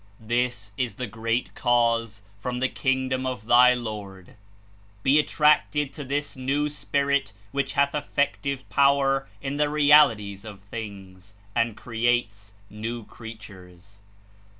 This is the i^reat Cause from the Kingdom of thy Lord. Be attached to this nezi Spirit "cihich hath effective pozier in the realities of things, and creates new creatures."